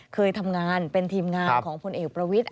เคยทำงานเป็นทีมงานของพลเอกประวิทธิ